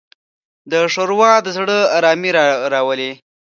ښوروا د زړه ارامي راولي.